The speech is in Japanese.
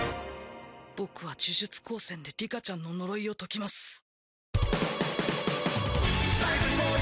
僕は呪術高専で里香ちゃんの呪いを解きます。